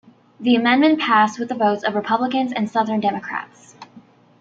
The amendment passed with the votes of Republicans and Southern Democrats.